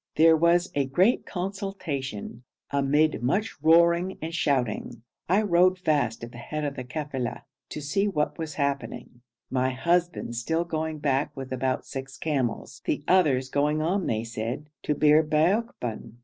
There was a great consultation, amid much roaring and shouting. I rode fast to the head of the kafila to see what was happening, my husband still going back with about six camels, the others going on, they said, to Bir Baokban.